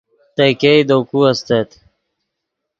تے ګئے دے کو استت